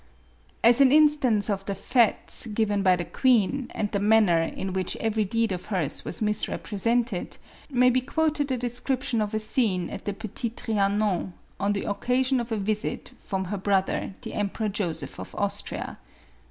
As an instance of the fetes given by the queen, and the manner in which every deed of hers was misrepre sented, may be quoted the description of a scene at the Petit Trianon, on the occasion of a visit from her broth 456 MARIE ANTOINETTE. er, the Emperor Joseph of Austria.